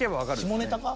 下ネタか？